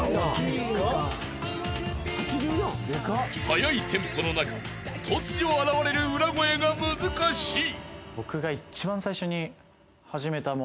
［速いテンポの中突如現れる裏声が難しい］